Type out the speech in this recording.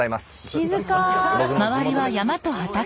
静か。